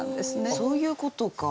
そういうことか。